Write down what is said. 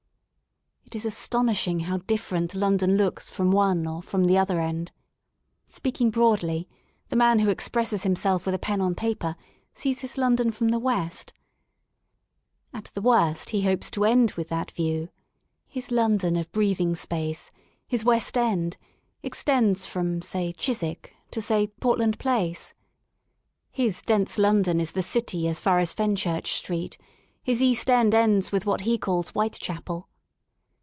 It is astonishing how different London looks from one or from the other end. Speak ing broadly, the man who expresses himself with a pen on paper sees his London from the west At the worst he hopes to end with that view. His London of breath ing space, his West End, extends from say Chiswick to say Portland Place. His dense London is the City as far as Fenchurch Street, his East End ends with what he calls Whitechapel.'